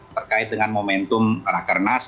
terkait dengan momentum rakernas